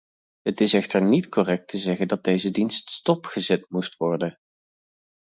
Het is echter niet correct te zeggen dat deze dienst stopgezet moest worden.